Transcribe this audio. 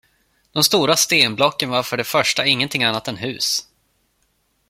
De stora stenblocken var för det första ingenting annat än hus.